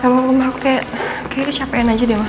taduh mama aku kayak kayak delighted aja di rumah